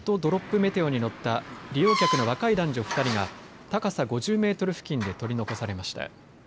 メテオに乗った利用客の若い男女２人が高さ５０メートル付近で取り残されました。